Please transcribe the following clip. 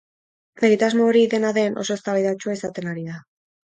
Egitasmo hori, dena den, oso eztabaidatsua izaten ari da.